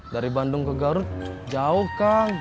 dari bandung ke garut jauh kang